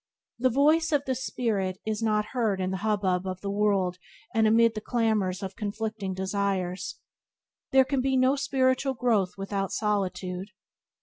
The voice of the spirit is not heard in the hubbub of the world and amid the clamours of conflicting desires. There can be no spiritual growth without solitude.